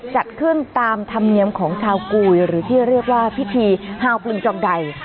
จัดขึ้นตามธรรมเนียมของชาวกุยหรือที่เรียกว่าพิธีฮาวพลึงจอมใด